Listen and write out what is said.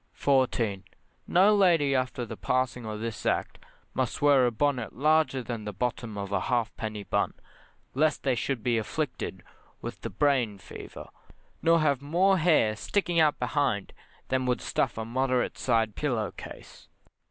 14. No lady after the passing of this Act must wear a bonnet larger than the bottom of a halfpenny bun, lest they should be afflicted with the brain fever, nor have more hair sticking out behind than would stuff a moderate side pillow case.